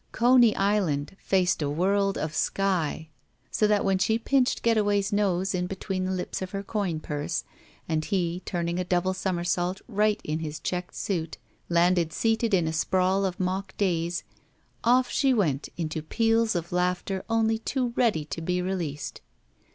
Coney Island faced a world of sky. So that when she pinched Getaway's nose in between the lips of her coin purse and he, turning a double somersault right in his checked suit, landed seated in a sprawl of mock daze, off she went into peals of laughter only too ready to be released.